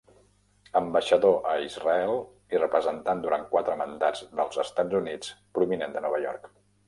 Ambaixador a Israel i representant durant quatre mandants dels Estats Units provinent de Nova York.